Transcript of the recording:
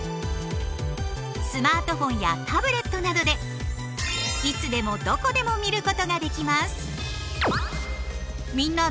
スマートフォンやタブレットなどでいつでもどこでも見ることができます。